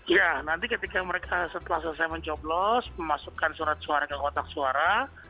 ya nanti ketika mereka setelah selesai mencoblos memasukkan surat suara ke kotak suara